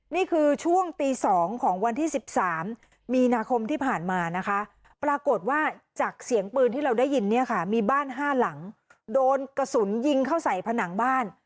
นี่คือช่วงตี๒ของวันที่๑๓มีนาคมที่ผ่านมานะคะปรากฏว่าจากเสียงปืนที่เราได้ยินเนี่ยค่ะมีบ้าน๕หลังโดนกระสุนยิงเข้าใส่ผนังบ้าน